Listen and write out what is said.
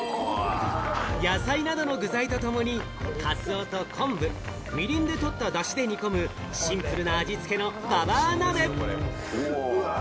野菜などの具材などとともに、かつおと昆布、みりんでとったダシで煮込むシンプルな味つけの、ばばあ鍋。